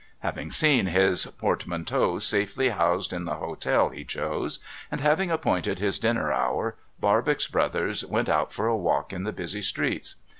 Having seen his portmanteaus safely housed in the hotel he chose, and having appointed his dinner hour, Barbox Brothers went out for a walk in the busy streets.